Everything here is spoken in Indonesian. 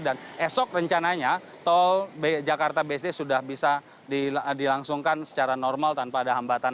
dan esok rencananya tol jakarta bsd sudah bisa dilangsungkan secara normal tanpa ada hambatan